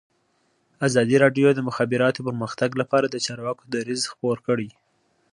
ازادي راډیو د د مخابراتو پرمختګ لپاره د چارواکو دریځ خپور کړی.